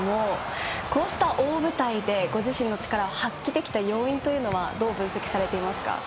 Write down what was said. こうした大舞台でご自身の力を発揮できた要因というのはどう分析しますか？